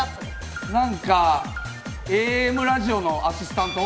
なんか、ＡＭラジオのアシスタント。